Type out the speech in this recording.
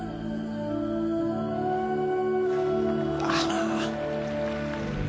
ああ。